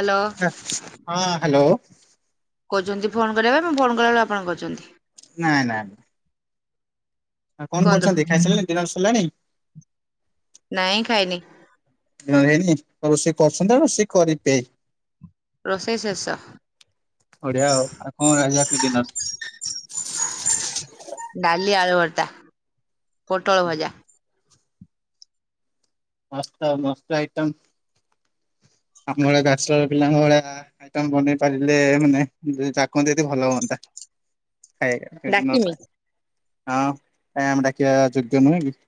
Hello ହଁ hello. କହୁଛନ୍ତି phone କରିବା ପାଇଁ ମୁଁ ଫୋନ୍ କଲାବେଳେ ଆପଣଙ୍କୁ କହୁଛନ୍ତି ନାଇଁ ନାଇଁ। ଆ କଣ କୁହନ୍ତୁ। କରୁଛନ୍ତି ଖାଇସାରିଲାଣି ଡ଼ିନର ସରିଲାଣି? ନାଇଁ ଖାଇନି। ନା ହେଇନି ରୋଷେଇ କରୁଛନ୍ତି ରୋଷେଇ କରିବେ। ରୋଷେଇ ଶେଷ। ବଢ଼ିଆ ଆଉ ଆଉ କଣ ଆଜି ରାତି ଡିନର? ଡାଲି, ଆଳୁ ଭର୍ତା, ପୋଟଳ ଭଜା। ମସ୍ତ ମସ୍ତ ଆଇଟମ ଆମ ଭଳିଆ ବ୍ୟାଚଲର୍ ପିଲାଙ୍କ ଭଳିଆ ଆଇଟମ ବନେଇ ପାରିଲେ ମାନେ ଯଦି ଡ଼ାକନ୍ତେ ଯଦି ଭଲ ହୁଅନ୍ତା। ଏ ସେ ଡିନର୍ ଡାକିମି ପାଇଁ, ଆଁ, କାଇଁ ଆମେ ଡାକିବା ଯୋଗ୍ୟ ନୁହେଁ କି?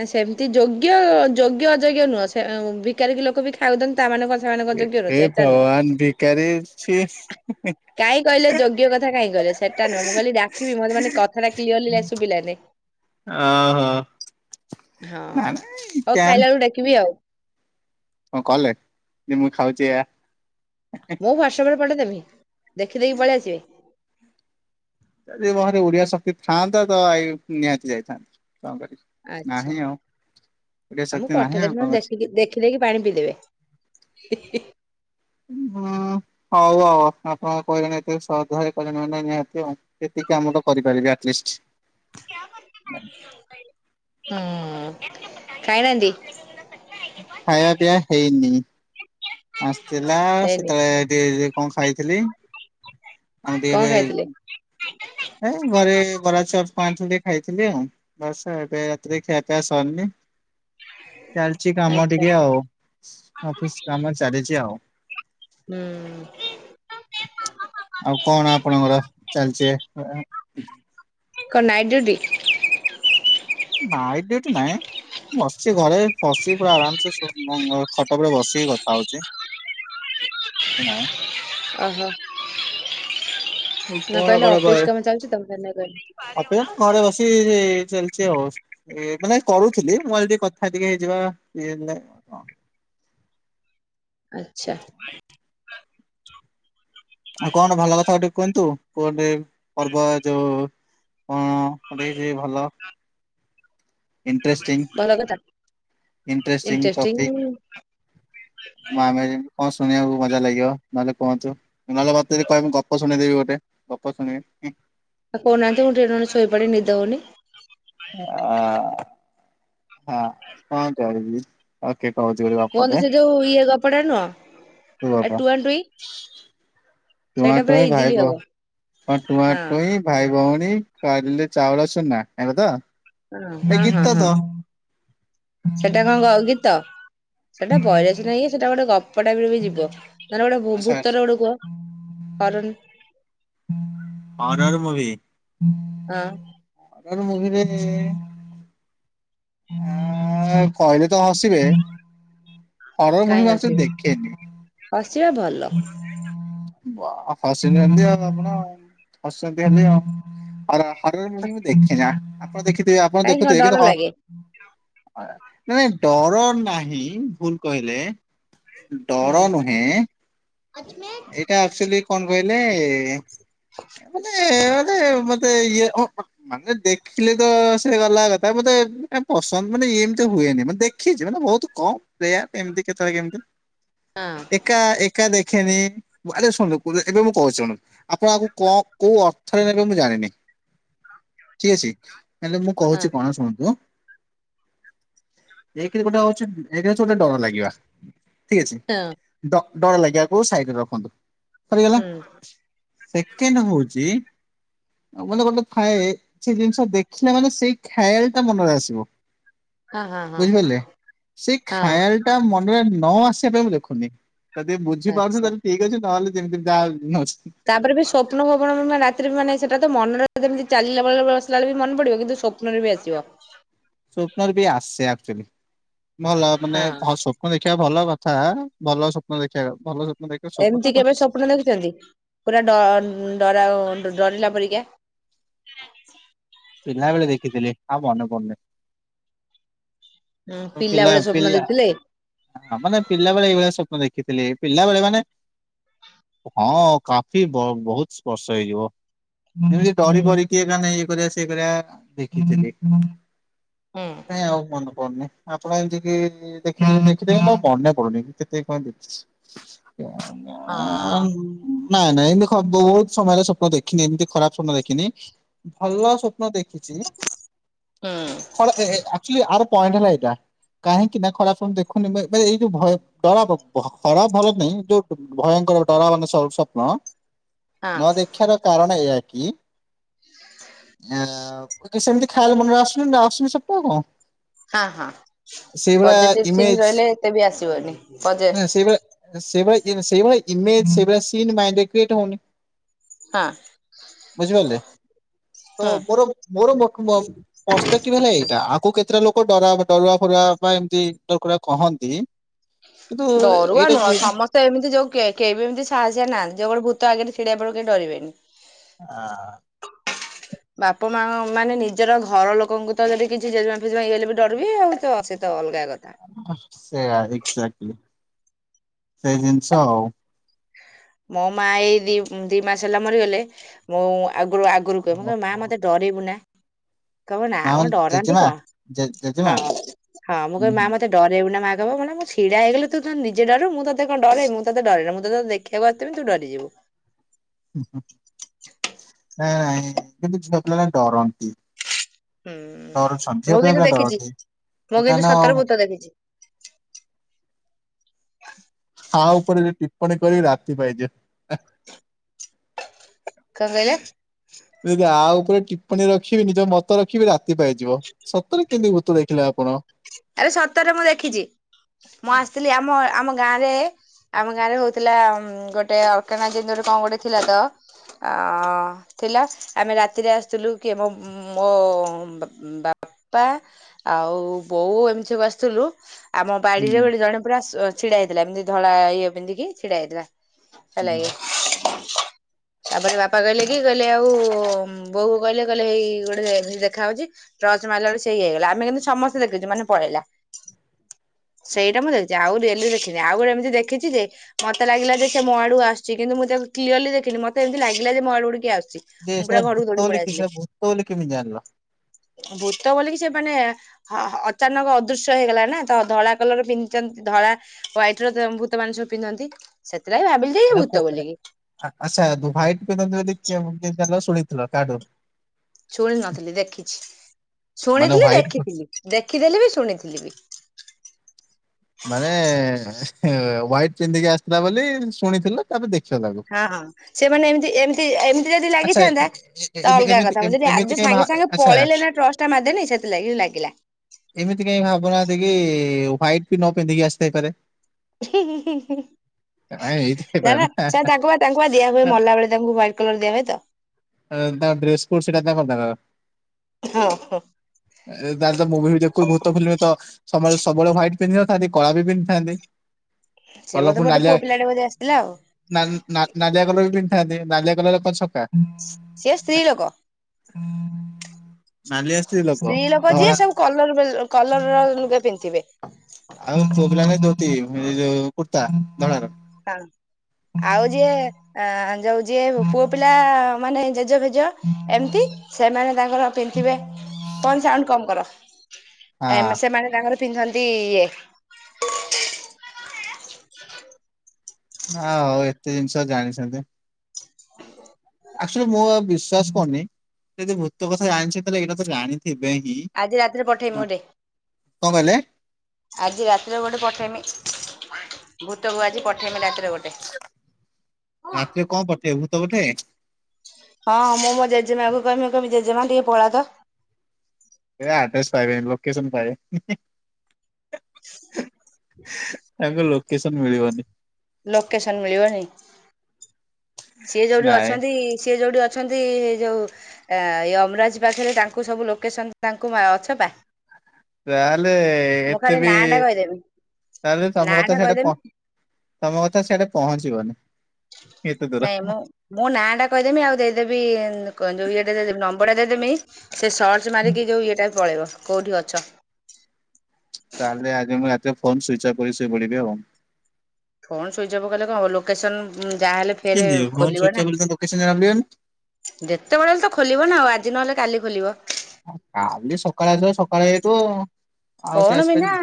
ନା ସେମିତି ଯୋଗ୍ୟ ଯୋଗ୍ୟ ଅଯୋଗ୍ୟ ନୁହଁ ସେ ଭିକାରୀ କିି ଲୋକ ବି ଖାଇବାକୁ ଦନ। ତା ମାନେ କଣ ସେମାନେ କଣ ଯୋଗ୍ୟ ନୁହଁ ଏ ସେଟା ନୁହଁ। ଭଗବାନ ଭିକାରୀ ଛି। କାଇଁ କହିଲ ଯୋଗ୍ୟ କଥା କାଇଁ କହିଲ ସେଟା ନୁହଁ। ମୁଁ କହିଲି ଡାକିବି ମୋତେ ମାନେ କଥାଟା କ୍ଲିୟରଲି ଲେ ଶୁଭିଲାନି। ଅ, ହଁ। ହଁ ହଉ ଖାଇଲା ବେଳକୁ ଡାକିବି ଆଉ। କଣ କଲେ ଯେ ମୁଁ ଖାଉଚି ଏୟା। ମୁଁ ହ୍ୱାଟସପ୍ ରେ ପଠେଇ ଦେମି। ଦେଖିଦେଖି ପଳେଇ ଆସିବେ। ଯଦି ମୋହରେ ଉଡିବା ଶକ୍ତି ଥାଆନ୍ତା ତ ଆଇ ନିହାତି ଯାଇଥାନ୍ତି କଣ କରିକି। ଆଚ୍ଛା ଆ, ମୁଁ ଶକ୍ତି ନାହିଁ ଆଉ ପଠେଇଦେମି କଣ ନହନେ ଅଛି। ଦେଖିକି ଦେଖ ଖି ଦେଇକି ପାଣି ପିଇଦେବେ। ହୁଁ, ହଉ ଆଉ ଆପଣ କହିଲେଣି ଏତେ ଶ୍ରଦ୍ଧାରେ କହିଲେଣି ମାନେ ନିହାତି ଆଉ। ଏତିକି କାମ ତ କରିପାରିବି ଆଟଲିଷ୍ଟ। ହୁଁ, ଖାଇ ନାହାନ୍ତି? ଖାଇବା ପିଇବା ହେଇନି ଆସିଥିଲା ହେଇନି ସେତେବେଳେ ଟିକେ ଯେ କଣ ଖାଇଥିଲି ଏମିତି କଣ ଏବେ ଖାଇଥିଲେ? ଏ ଘରେ ବରା ଚପ୍ କଣ ଆଣିଥିଲେ ଟିକେ ଖାଇଥିଲି ଆଉ। ବସେ ଏତେ ରାତିରେ ଖିଆପିଆ ସରିନି। ଚାଲିଛି କାମ ଆଚ୍ଛା ଟିକେ ଆଉ ଅଫିସ୍ କାମ ଚାଲିଛି ଆଉ। ହୁଁ। ଆଉ କଣ ଆପଣଙ୍କର ଚାଲିଚି? କଣ ନାଇଟ୍ ଡ୍ଯୁଟି? ନାଇଟ୍ ଡ୍ୟୁଟି ନାଇଁ। ବସିଚି ଘରେ ପସି ପୁରା ଆରାମସେ ସ- ମଙ୍ଗ ଖଟ ଉପରେ ବସିକି କଥା ହଉଛି। ନାଇଁ ଓହୋ! ନା କଣ କହିଲ କଣ ଅଫିସ୍ କାମ ଚାଲଚି ତ ମୁଁ ସେଇ ନାଇ କହିନି। ଇରେ ଚାଲ ସେ ଅଫ ଏ ମାନେ କରୁଥିଲି ମୁଁ ଭାବିଲି ଟିକେ କଥା ଟିକେ ହେଇଯିବା। ଇଏ ଲେ ଆଚ୍ଛା। ଆଉ କଣ ଭଲ କଥା ଟିକେ କୁହନ୍ତୁ କୁଅଟେ ପର୍ବ ଯୋଉ କଣ କଣ ଟିକେ କିଛି ଭଲ ଭଲ କଥା ଇଣ୍ଟ୍ରେଷ୍ଟିଙ୍ଗ ଇଣ୍ଟ୍ରେଷ୍ଟିଙ୍ଗ ଇଣ୍ଟରେଷ୍ଟିଙ୍ଗ ଟପିକ୍। ମା ଆମେ ଯେମ କଣ ଶୁଣିବାକୁ ମଜା ଲାଗିବ ନହେଲେ କୁହନ୍ତୁ। ନହେଲେ ମୋତେ ବି କହିବେ ମୁଁ ଗପ ଶୁଣେଇଦେବି ଗୋଟେ। ଗପ ଶୁଣିବି ଇଁ ଆ, କଉନାହାନ୍ତି ମୁଁ ଟିକେ ନହେନେ ଶୋଇପଡି ନିଦ ହଉନି। ଆ, ହଁ କଣ କହିବି? ଓକେ କହୁଛି ଗୋଟେ କୁହନ୍ତୁ ଗପଟେ ସେ ଯୋଉ କି ଗପ? ଟୁଆଁଟୁଇଁ। ଟୁଆଁ ଟୁଇଁ ଭାଇ ଇଜିଲି ବ ହବ କଣ ଟୁଆଁ ହଁ ଟୁଇଁ ଭାଇ ଭଉଣୀ କରିଲେ ଚାଉଳ ଚୂନା ଏବେ ତ। ଅଁ, ହଁ, ଏଇ ହଁ, ଗୀତ ତ ହଁ। ସେଟା କଣ ଗ-ଗୀତ ସେଟା ବହିରେ ସିନା ଇଏ ସେଟା ଗୋଟେ ଗ ପ ଟାଇପ୍ ର ବି ଯିବ। ନହେଲେ ଗୋଟେ ଆଚ୍ଛା ଆଚ୍ଛା। ଭୂ-ଭୂତର ଗୋଟେ କୁହ। ହରନ୍ ହରର୍ ମୁଭି। ହଁ। [unintelligible] ଆଁ କହିଲେ ତ ହସିବେ। ହରର ମୁଭି କାଇଁ ମୁଁ ହସିବି, ହସିବା ଭଲ। ବ କହିଲେଣି ଆପଣ [unintelligible] ହରର୍ ମୁଭି ମୁଁ ଦେଖେନା। ଆପଣ ଦେଖିଥିବେ ଆପଣ କାହିଁ କଣ ଦେଖୁଥିବେ କିନ୍ତୁ ଡର ହ ଲାଗେ ନା ନାଇଁ ଡର ନାହିଁ ଭୁଲ କହିଲେ। ହୁଁ ଡର ନୁହେଁ। [unintelligible] ଏଇଟା ଆକ୍ଚୁଆଲି କଣ କହିଲେ ମାନେ, ମାନେ ମତେ ଇଏ ଓ ମାନେ ଦେଖିଲେ ତ ସେ ଗଲା କଥା ମତେ ପସନ୍ଦ ମାନେ ଏମିତି ହୁଏନି, ମତେ ଦେଖିଛି ମାନେ ବହୁତ କମ, ରେୟାର ଏମିତି କେତେବେଳେ କେମିତି। ହଁ। ଏକା ଏକା ଦେଖେନି। ଆରେ ଶୁଣନ୍ତୁ ଏବେ ମୁଁ କହୁ ଶୁଣନ୍ତୁ ଆପଣ ଆଗକୁ କଣ କୋଉ ଅର୍ଥରେ ନେବେ ମୁଁ ଜାଣିନି। ଠିକ ଅଛି, ହେଲେ ମୁଁ ହଁ କହୁଛି କଣ ଶୁଣନ୍ତୁ ଏକରେ ଗୋଟେ ହଉଛି ଏକ ହଉଛି ଗୋଟେ ଡର ଲାଗିବା। ଠିକ ଅଛି। [unintelligible] ଡ ଡର ଲାଗିବାକୁ ସାଇଡରେ ରଖନ୍ତୁ ସରିଗଲା। ହୁଁ ସେକେଣ୍ଡ ହଉଚି ମାନେ ଗୋଟେ ଥାଏ ସେ ଜିନିଷ ଦେଖିଲେ ମାନେ ସେଇ ଖ୍ୟାଲ ଟା ମନରେ ଆସିବ। ହଁ ହଁ ହଁ ବୁଝିପାରିଲେ ସେ ହଁ ଖାୟାଲ୍ ଟା ମନରେ ନ ଆସିବା ପାଇଁ ମୁଁ ଦେଖୁନି। ଯଦି ବୁଝିପାରୁଛୁ ଆଚ୍ଛା। ତାହେଲେ ଠିକ ଅଛି ନହେଲେ ଯେମିତି ଯାହା। [unintelligible] ତାପରେ ବି ସ୍ୱପ୍ନ ଫ୍ୱନ ବି ରାତିରେ ମାନେ ସେଟା ତ ମନରେ ଯେମିତି ଚାଲିଲା ବେଳେ ବସିଲା ବେଳେ ବି ମନେ ପଡିବ। କିନ୍ତୁ ସ୍ଵ ସ୍ୱପ୍ନ ରେ ବି ଆସିବ। ସ୍ୱପ୍ନର ବି ଆସେ ଆକ୍ଟୁଆଲି। ଭଲ ମାନେ ହଁ ସ୍ୱ ସ୍ୱପ୍ନ ଦେଖିବା ଭଲ କଥା। ଭଲ ସ୍ୱପ୍ନ ଦେଖିବା ଭଲ ସ୍ୱ ଏମିତି କେବେ ସ୍ୱପ୍ନ ଦେଖିଛନ୍ତି ପୁରା ଡ ଡରା ଡରିଲା ପରିକା? ପିଲାବେଳେ ଦେଖିଥିଲି ଆଉ ମନେ ପଡୁନି। ପିଲା ବେଳେ ସ୍ୱପ୍ନ ପିଲା ଦେଖିଥିଲେ? ହଁ ମାନେ ପିଲା ବେଳେ ଏଇଭଳିଆ ସ୍ୱପ୍ନ ଦେଖିଥିଲି ପିଲାବେଳେ ମାନେ ହଁ କାଫି ବହୁତ ବର୍ଷ ହେଇଯିବ। ଯେମିତି ହୁଁ ଡ଼ରି ମରିକି ମାନେ ଇଏ କରିବା ସିଏ କରିବା ଦେଖିଥିଲି। ହୁଁ। କାଇଁ ଆଉ ମନେ ପଡୁନି, ଆପଣ ଏମିତି କି [unintelligible] ଆଉ ପଡୁନି। କେତିକି କଣ ଦେଖିଚି। ଆଉ ହଁ ନାଇଁ ନାଇଁ, ଏମିତି ବହୁତ ସମୟରେ ସ୍ୱପ୍ନ ଦେଖିନି, ଏମିତି ଖରାପ ସ୍ୱପ୍ନ ଦେଖିନି। ଭଲ ସ୍ୱ ପ୍ନ ଦେଖିଚି। ହୁଁ ଆକ୍ଟୁଆଲି ଆର ପଏଣ୍ଟ ହେଲା ଏଇଟା। କାହିଁକି ନା ଖରାପ ଦେଖୁନି, ବ ବ ଏଇ ଯୋଉ ଭୟ ଡର ଖରାପ ଭଲ ନାଇଁ, ଯୋଉ ଭୟଙ୍କର ଡରବନି ସ୍ଵ ସ୍ୱପ୍ନ ହଁ ନ ଦେଖିବାର କାରଣ ଏଇଆ କି ଆ ସେମିତି ଖ୍ୟାଲ୍ ମନରେ ଆସୁନି ଆସୁନି। [unintelligible] ହଁ ହଁ। ସେଇଭଳିଆ ପଜେଟିଭ ଥିଙ୍ଗ ଇମେଜ ରହିଲେ ଏତେ ବି ଆସିବନି। ପଜେ ନା ସେଇଭଳି ସେଇଭଳିଆ ସେଇଭଳିଆ ଇମେଜ ସେଇଭଳିଆ ସିନ୍ ମାଇଣ୍ଡ ରେ କ୍ରିଏଟ ହଉନି। ହଁ ବୁଝିପାରିଲେ। ତ ହୁଁ। ମୋର ମୋର। [unintelligible] [unintelligible] ଏଇଟା। ଆକୁ କେତେଟା ଲୋକ ଡ ଡରୁଆ ଫରୁଆ ବା ଏମିତି ଡରୁକୁରା କହନ୍ତି। କିନ୍ତୁ ଡରୁଆ ଏଇଟା ନୁହ ଯିଏ ସମସ୍ତ ତ ଏମିତି ଯୋଉ କେ ବି ଏମିତି ସାହାସିଆ ନାହାନ୍ତି, ଯିଏ କହିବ, ଭୂତଆଗରେ ଛିଡା ହେଇ ପଡିବ କେହି ଡରେଇବେନି। ଆ ଆ ବାପା, ମା ମାନେ ନିଜର ଘର ଲୋକଙ୍କୁ ତ, ଯଦି କିଛି ଜେଜେମା ଫେଜମା ହେଇଗଲେ ବି ଡର, ବିି ଆଉ ତ ତ ଅଲଗା କଥା। ସେୟା, ଏକଜାଟଲି, ସେଇ ଜିନିଷ ଆଉ ମୋ ମା ଏଇ ଦି ଦି ମାସ ହେଲା ମରିଗଲେ ମୁଁ ଆଗରୁ ଆଗରୁ କହେ ମୁଁ କହ ମା ମତେ ଡରେଇବୁନା କହିବେ ନା ମ ମାନେ ଡରନ୍ତି ଜେଜେମା କଣ? ଜେ ହଁ ଜେଜେମା ହଁ ମୁଁ ହୁଁ କହି ମା ହୁଁ ମତେ ଡରେଇବୁନା, ମା କହିବ ମଲା ମୁଁ ଛିଡାହେଇଗଲେ ତୁ ନିଜେ ଡରୁ ମୁଁ ତତେ କଣ ଡ ମୁଁ ତତେ ଡରେ ନା ମୁଁ ତତେ ଦେ ବସିଥିବି ତୁ ଡରିଯିବୁ। ନାଇଁ, ନାଇଁ କିନ୍ତୁ ଝିଅ ପିଲାମାନେ ଡରନ୍ତି। ହୁଁ ଝିଅ ମୁଁ କିନ୍ତୁ ପିଲାମାନେ ଦେଖିଛି ଡରନ୍ତି, ମୁଁ କିନ୍ତୁ [unintelligible] [unintelligible] ହା ଉପରେ ଯେ ଟିପ୍ପଣୀ କରିବି ରାତି ପାଇଯିବ। କଣ କହିଲ? ଯଦି ଆ ଉପରେ ଟିପ୍ପଣୀ ରଖିବି ନିଜ ମତ ରଖିବି ରାତି ପାଇଯିବ। ରେ କେମିତି ଭୂତ ଦେଖିଲେ ଆପଣ? ଆରେ ସତରେ ମୁଁ ଦେଖିଛି, ମୁଁ ଆସିଥିଲି ଆମ ଆମ ଗାଁରେ ଆମ ଗାଁ ରେ ହଉଥିଲା ଗୋଟେ ଅର୍କନା ଜନ୍ଦୁରେ କଣ ଗୋଟେ ଥିଲା ତ ଅ ଥିଲା ଆମେ ରାତିରେ ଆସିଥିଲୁ କି ଆମ ମୋ ବାପା ଆଉ ବୋଉ ଏମିତି ବସିଥିଲୁ ଆମ ହୁଁ ବାଡିରେ ଗୋଟେ ଜଣେ ପୁରା ଛିଡା ହେଇଥିଲା ଏମତି ଧଳା ଇଏମତି କି ଛିଡା ହେଇଥିଲା ହେଲା ହୁଁ। ଇଏ ତାପରେ ବାପା କହଲେ କି କହିଲେ ଆଉ ବୋହ କହିଲେ କହିଲେ ହେଇ ଗୋଟେ ଦେଖାହେ ଉଛି, ଟର୍ଚ ମାରିଲା ବେଳକୁ ସିଏ ଇଏ ହେଇଗଲା, ଆମେ କିନ୍ତୁ ସମସ୍ତେ ଦେଖୁଛ ମାନେ ପଳେଇଲା। ସେଇଟା ମୁଁ ଦେଖିଛି, ଆଉ ରିଅଲି ଦେଖିନି ଆଉ ଗୋଟେ ଏମିତି ଦେଖିଛି ଯେ ମତେ ଲାଗିଲା ଯେ ସେ ମୋ ଆଡକୁ ଆସୁଛି। କିନ୍ତୁ ମୁଁ ତାକୁ କ୍ଲିୟରଲି ଦେଖିନି ମତେ ଏମିତି ଲାଗିଲ ଯେ ମୋ ଆଡକୁ କିଏ ଆସୁଛି। ଯେ ମୁଁ ପୁରା ସେଟା ଭୂତ ଘରକୁ ଦୌଡି ବୋଲି ପଳେଇ କି ଆସିଲି ସେଟା ଭୂତ ବୋଲି କେମିତି ଜାଣିଲ? ଭୂତ ବୋଲିକି ସେ ମାନେ ହଁ ଅଚାନକ ଅଦୃଶ୍ୟ ହେଇଗଲା ନା, ତ ଧଳା କଲର ପିନ୍ଧିଛନ୍ତି ଧଳା ୱାଇଟ ର ଭୂତ ମାନ ସବୁ ପିନ୍ଧନ୍ତି, ସେଥିଲାଗି ଭାବିଲି ଯେ ଇଏ ଭୂତ ବୋଲିକି ଆଛା, ହ୍ୱାଇଟ ପିନ୍ଧନ୍ତି ବୋଲି ଶୁଣିଥିଲ କାହାଠୁ? ଶୁଣି ନଥିଲି ଦେଖିଛି, ମାନେ ଶୁଣିଥିଲି ହ୍ୱାଇଟ ଦେଖିଥିଲି, ଦେଖିଥିଲି ବି ଶୁଣିଥିଲି ବି। ମାନେ ହାଇଟ ପିନ୍ଧିକି ଆସିଥିଲା ବୋଲି ଶୁଣିଥିଲ, ତାପରେ ଦେଖ ତାକୁ ହଁ ହଁ ସେମାନେ ଏମତି ଏମିତି ଏମିତି ଯଦି ଆଚ୍ଛା ଲାଗିଥାନ୍ତା ତ ଅଲଗା ଏମିତି କଥା ମୁଁ ଯଦି ଏମିତି ଯଉ କାଇଁ ଭା ସାଙ୍ଗେ ସାଙ୍ଗେ ଆଚ୍ଛା ପଳେଇଲେ ନା ଟ୍ରଷ୍ଟ ଟା ମେନି ସେଥିଲାଗି ଲାଗିଲା ଏମିତି କାଇହିଁ ଭାବୁନାହାନ୍ତି କି ହ୍ୱାଇଟ୍ ବି ନ ପିନ୍ଧିକି ଆସିଥାଇପାରେ? ଏଇଥି ନା ହେଇପାରେ ନା ସେ ତାଙ୍କୁ ବା ତାଙ୍କୁ ବା ଦିଆ ହୁଏ ମଲା ବେଳେ ତାଙ୍କୁ ୱାଇଟକଲର୍ ଦିଆ ହୁଏ ତ। ଆଁ ତାଙ୍କ ଡ୍ରେସକୋଟ ସେଇଟା କରିଦେବା। ହଁ ହଁ ଏ ତାର ତ ମୁଭିବି ଦେଖୁ ଭୂତ ଫିଲ୍ମ ତ ସମୟରେ ସବୁବେଳେ ହ୍ୱାଇଟ ପିନ୍ଧିନଥାନ୍ତି କଳା ବି ପିନ୍ଧିଥାନ୍ତି। [unintelligible] ସେ ବୋଧେ ଗୋଟେ ନାଲିଆ ପୁଅ ପିଲାଟେ ବୋଧେ ଆସିଥିଲା ଆଉ କଲର ବି ପିନ୍ଧିଥାନ୍ତି, ନାଲିଆ କଲର କଣ ଛକା? ସିଏ ସ୍ତ୍ରୀ ଲୋକ। [inaudible] ସ୍ତ୍ରୀ ଲୋକ ଯିଏ ସବୁ କଲର କଲର ଲୁଗା ପିନ୍ଧିଥିବେ ଆଉ ପୁଅପିଲା ମାନେ ଧୋତି ଯୋଉ କୁର୍ତ୍ତା ଧଳାର ହଁ ଆଉ ଯିଏ ଅ ଯୋଉ ଯିଏ ପୁଅ ପିଲା ମାନେ ଜେଜ ଫେଜ ଏମତି, ସେମାନେ ତାଙ୍କର ପିନ୍ଧିଥିବେ ଫୋନ ସାଉଣ୍ଡ କମ କର। ହଁ ଏମ୍ ସେମାନେ ତାଙ୍କର ପିନ୍ଧନ୍ତି ଇଏ। ଆଁ ହଉ ଏତେ ଜିନିଷ ଜାଣିଛନ୍ତି। ଆକ୍ଚୁଆଲି ମୁଁ ଆଉ ବିଶ୍ଵାସ କରୁନି ଯଦି ଭୂତ କଥା ଜାଣିଛି ତାହେ ଏଇଟା ତ ଜାଣିିନି। ଥିବେ ହିଁ ଆଜି ରାତିରେ ପଠେଇମି ହ କଣ ଗୋଟେ କହିଲେ? ଆଜି ରାତିରେ ଗୋଟେ ପଠେଇମି ଭୂତକୁ ଆଜି ପଠେଇମି ରାତିରେ ଗୋଟେ। ରାତିରେ କଣ ପଠେଇ ଭୂତ ପଠେଇବେ? ହଁ ମୁଁ ମୋ ଜେଜେମାକୁ କହିମୀ ଜେଜେମା ଟିକେ ପଳା ତ। ଏ ଆଡ୍ରେସ ପାଇବେ ଲୋକେସନ ପାଇବେ। [unintelligible] ତାଙ୍କ ଲୋକେସନ ମିଳିବନି। ଲୋକେସନ ମିଳିବନି? ସିଏ ଯୋଉଠି ନାଇଁ ଅଛନ୍ତି ସିଏ ଯୋଉଠି ଅ ଅଛନ୍ତି ଯୋଉ ୟମରାଜ ପାଖରେ ତାଙ୍କୁ ସବୁ ଲୋକେସନ ତାଙ୍କୁ ମା-ଅଛପା। ତାହେଲେ ଏତେ ବି ନାଁ ଟା କହିଦେବି ତାହେଲେ ତମ ନାଁ କଥା ଟା କହିଦେମି ସେଠାହ ତମ କଥା ସେଇଆଟେ ପହଞ୍ଚିଭ ବନି। ନାଇଁ ମୁଁ ମୋ ନାଁ ଟା କହିଦେମି ଆଉ ଦେଇଦେବି କୁହନ୍ତୁ ଇଏଟା ଦେଇଦେବି ନମ୍ବର ଟା ଦେଇଦେମି ସେ ସର୍ଚ୍ଚ ମାରିକି ଯୋଉ ଇଏଟା ପଳେଇବ କୋଉଠି ଅଛ? ତାହେଲେ ଆଜି ମୁଁ ରାତିରେ ଫୋନ ସୁଇଚ୍ ଅଫ୍ କରି ଶୋଇ ପଡିବି ଆଉ। ଫୋନ୍ ସୁଇବ କଲେ କଣବ ଲୋକେସନ ଯାହାହଲେ। [unintelligible] ଯେତେବେଳେଲେ ତ ଖୋଲିବ ନା ଆଉ ଆଜି ନହେଲେ କାଲି ଖୋଲିବ।। କାଲି ସକାଳେ ଆସିବ ସକାଳେ ହେଇଥିବ ଆଉ। ସେ ଫୋନ୍ ବିନା ଆସିପାରିବେ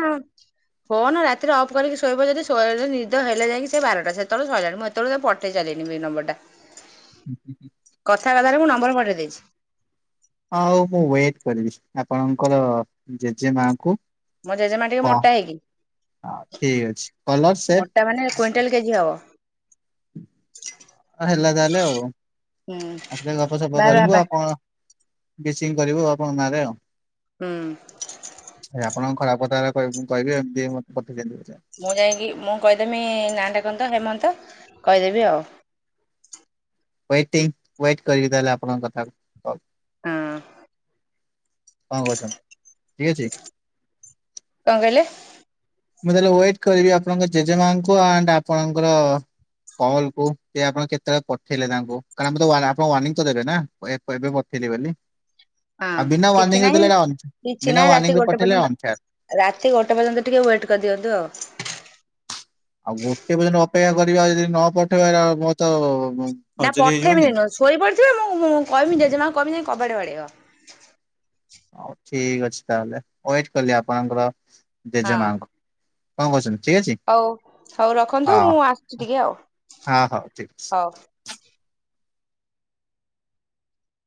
ଫୋନ ରାତିରେ ଅଫ୍ କରିକି ଶୋଇବ ଯଦି ଶୋଇବ ନିଦ ହେଲେ ଯାଇକି ସେ ବାରଟା ସେତେବେଳେ ଶହାଣି ମତେ ସେତେବେଳେ ସେ ପଠେଇସାଇଲିନି ନମ୍ବର୍ ଟା। [inaudible] କଥାବାର୍ତାରେ ମୁଁ ନମ୍ବର ପଠେଇ ଦେଇଛି। ହଉ ମୁଁ ୱେଟ କରିବି ଆପଣଙ୍କର ଜେଜେ ମାଙ୍କୁ। ମୋ ଜେଜେମା ଟିକେ ମୋଟା ହେଇକି [unintelligible] ଠିକ ଅଛି ମୋଟା ମାନେ [unintelligible] କୁଇଣ୍ଟାଲ କେଜି ହବ। ହଁ ହେଲା ତାହେଲେ ଆଉ। ହୁଁ ଆସିଲେ ଗପସପ ବା କରିବୁ। ବାବା ଆଉ କଣ? ବିଚିଂ କରିବୁ ଆପଣଙ୍କ ନାଁରେ ଆଉ। ହୁଁ। ଏ ଆପଣଙ୍କ ଖରାପ କଥା ଏରା [unintelligible] କହିବି। [unintelligible] ମୁଁ ଯାଇକି ମୁଁ କହିଦେମି, ନାଁ ଟା କଣ ତ ହେମନ୍ତ କହିଦେବି ଆଉ। ୱେଟିଂ ୱେଟ୍ କରିବି, ତାହେଲେ ଆପଣଙ୍କ କଥାକୁ ହୋଉ। ହଁ। କଣ କରଛନ୍? ଠିକ ଅଛି। କଣ କହିଲେ? ମୁଁ ତାହେଲେ ୱେଟ କରିବି ଆପଣଙ୍କ ଜେଜେମାଙ୍କୁ ଆଣ୍ଡ ଆପଣଙ୍କର କଲ୍ କୁ ଆପଣ କେତେବେଳେ ପଠେଇଲେ ତାଙ୍କୁ କାରଣ ଆମ ଆପଣ ୱାର୍ଣିିଂ ତ ଦେବେ ନା। ଏବେ [unintelligible] ବୋଲି। ହଁ ଆଉ ବିନା କିଛି ୱାର୍ଣ୍ଣିଂରେ ନାହିଁ ଦେଲେ ଏଇଟା ଅନ୍ କିଛି ବିନା ନାହିଁ ରାତି ୱାର୍ଣ୍ଣିଂରେ ଗୋଟେ ପଠେଇଲେ ଅନଫେୟାର। ପର୍ଯ୍ୟନ୍ତ ରାତି ଗୋଟେ ପର୍ଯ୍ୟନ୍ତ ଟିକେ ୱେଟ୍ କରିଦିଅନ୍ତୁ ଆଉ। ଆଉ ଗୋଟେ ପର୍ଯ୍ୟନ୍ତ ଅପେକ୍ଷା କରିବା ଯଦି ନ ପଠେଇବା ମ ତ ନା ଖଜୁରୀ ହେଇଯିବନି। ପଠେଇବିନି ନୁହେଁ ଶୋଇ ପଡିଥିବେ ମୁଁ- ମୁଁ କହିବି ଜେଜେମା ଙ୍କୁ କହିବି ଯାଇକି କବାଟ ବାଡେଇବ। ହଉ ଠିକ ଅଛି ତାହେଲେ ୱେଟ କଲି ଆପଣଙ୍କର ହଁ ଜେଜେ ମାଙ୍କୁ। କଣ କହୁଚନ୍ତି? ଠିକ ଅଛି। ହଉ ହଉ ରଖନ୍ତୁ ହଁ ମୁଁ ଆସିଛି ଟିକେ ଆଉ ହଁ ହଉ ଠିକ ଅଛି। ହଉ।